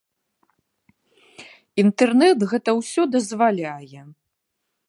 Інтэрнэт гэта ўсё дазваляе.